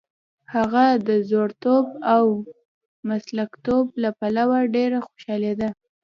هغه د زړورتوب او مسلکیتوب له پلوه ډېره خوښېدله.